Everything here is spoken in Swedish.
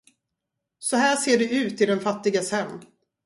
Så här ser det ut i den fattiges hem.